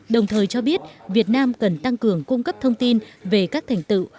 đồng thời cho biết việt nam cần tăng cường cung cấp thông tin về các thành tựu